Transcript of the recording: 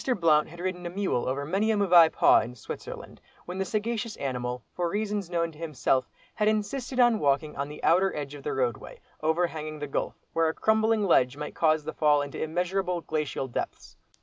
Blount had ridden a mule over many a mauvais pas in Switzerland, when the sagacious animal, for reasons known to himself, had insisted on walking on the outer edge of the roadway, over hanging the gulf, where a crumbling ledge might cause the fall into immeasurable, glacial depths.